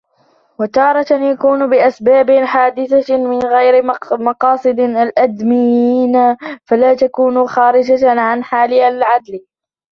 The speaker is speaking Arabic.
وَتَارَةً يَكُونُ بِأَسْبَابٍ حَادِثَةٍ مِنْ غَيْرِ مَقَاصِدِ الْآدَمِيِّينَ فَلَا تَكُونُ خَارِجَةً عَنْ حَالِ الْعَدْلِ